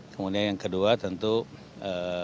kemudian yang kedua tentu kita menyelesaikan pemulasaran jenazah ya